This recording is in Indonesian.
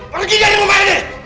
pergi dari rumah ini